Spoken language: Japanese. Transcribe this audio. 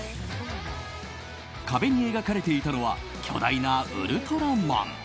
壁に描かれていたのは巨大なウルトラマン。